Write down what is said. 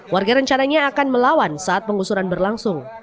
warga rencananya akan melawan saat pengusuran berlangsung